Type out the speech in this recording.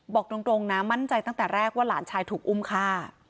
บอกตรงนะมั่นใจตั้งแต่แรกว่าหลานชายถูกอุ้มฆ่า